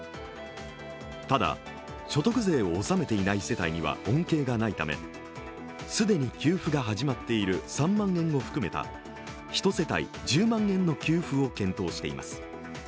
ただ、所得税を納めていない世帯には恩恵がないため既に給付が始まっている３万円を含めた１世帯１０万円の給付を検討しています。